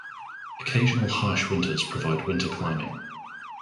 Occasional harsh winters provide winter climbing.